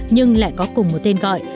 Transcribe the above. nhưng lại có cùng một tên gọi